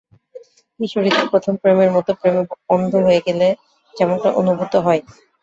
কিশোরীদের প্রথম প্রেমের মত, প্রেমে অন্ধ হয়ে গেলে যেমনটা অনুভূত হয়।